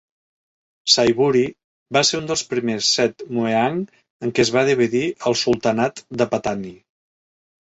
Saiburi va ser un dels primers set "Mueang" en què es va dividir el sultanat de Pattani.